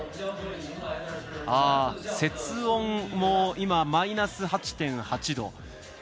雪温も今、マイナス８．８度。